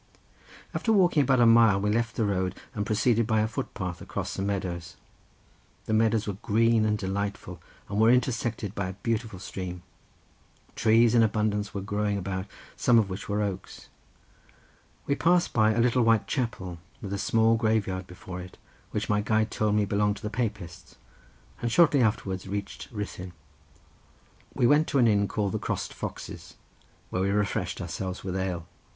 After walking about a mile we left the road and proceeded by a footpath across some meadows. The meadows were green and delightful, and were intersected by a beautiful stream. Trees in abundance were growing about, some of which were oaks. We passed by a little white chapel with a small graveyard before it, which my guide told me belonged to the Baptists, and shortly afterwards reached Ruthyn. We went to an inn called the Crossed Foxes, where we refreshed ourselves with ale.